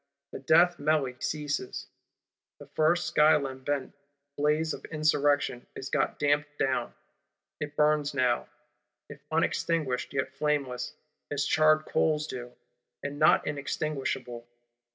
The death melly ceases: the first sky lambent blaze of Insurrection is got damped down; it burns now, if unextinguished, yet flameless, as charred coals do, and not inextinguishable.